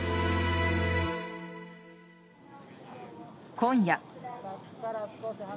今夜。